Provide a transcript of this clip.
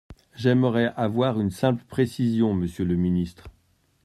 J’aimerais avoir une simple précision, monsieur le ministre.